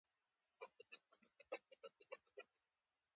پړانګ د چاپېریال د توازن لپاره اړین دی.